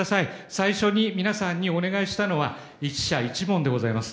最初に皆さんにお願いしたのは１社１問でございます。